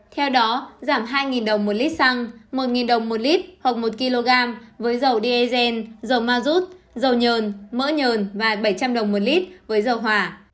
theo đó giảm hai đồng một lít xăng một đồng một lít hoặc một kg với dầu diesel dầu ma rút dầu nhờn mỡ nhờn và bảy trăm linh đồng một lít với dầu hỏa